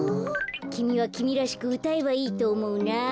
きみはきみらしくうたえばいいとおもうな。